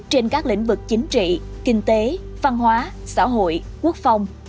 trên các lĩnh vực chính trị kinh tế văn hóa xã hội quốc phòng